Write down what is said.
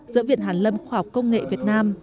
giữa viện hàn lâm khoa học công nghệ việt nam